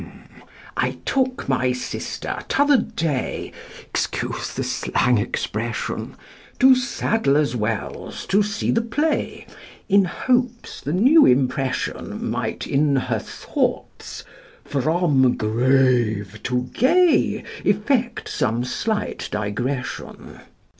I took my sister t'other day (Excuse the slang expression) To Sadler's Wells to see the play In hopes the new impression Might in her thoughts, from grave to gay Effect some slight digression.